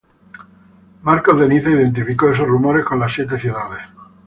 Marcos de Niza identificó esos rumores con las siete ciudades.